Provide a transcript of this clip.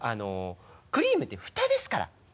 クリームってフタですから。